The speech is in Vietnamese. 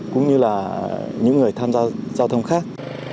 cũng như là những người tham gia giao thông khác